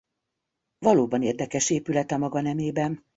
Valóban érdekes épület a maga nemében.